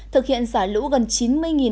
thực hiện xả lũ gần trời